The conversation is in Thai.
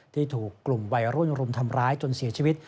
ที่ถูกกลุ่มวัยรุ่นรุมทำร้ายจนเสียชีวิต